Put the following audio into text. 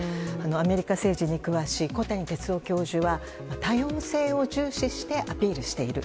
アメリカ政治に詳しい小谷哲男教授は多様性を重視してアピールしている。